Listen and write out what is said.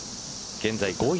現在５位